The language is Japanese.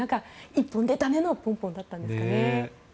１本出たねのポンポンだったんですかね。